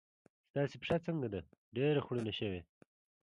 ستاسې پښه څنګه ده؟ ډېره خوړینه شوې.